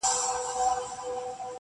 پلونو د تڼاکو مي بیابان راسره وژړل٫